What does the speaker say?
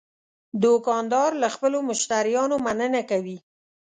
دوکاندار له خپلو مشتریانو مننه کوي.